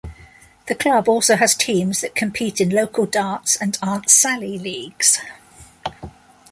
The Club also has teams that compete in local darts and Aunt Sally leagues.